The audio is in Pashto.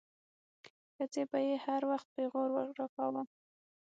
ښځې به يې هر وخت پيغور راکاوه.